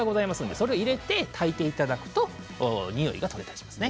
それを入れて炊いていただくとにおいが取れますね。